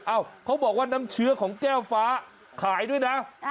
เขาบอกว่าน้ำเชื้อของแก้วฟ้าขายด้วยนะ